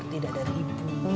tidak ada ibu